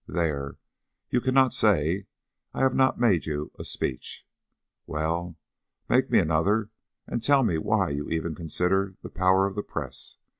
There, you cannot say I have not made you a speech!" "Well, make me another, and tell me why you even consider the power of the press.